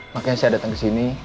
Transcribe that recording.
makanya saya datang kesini